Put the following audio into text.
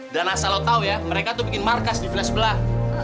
dan asal lo tau ya mereka tuh bikin markas di village belah